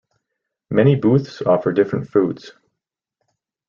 Many booths offer different foods.